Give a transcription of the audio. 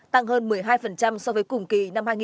tăng hơn một mươi hai so với cùng kỳ năm hai nghìn hai mươi ba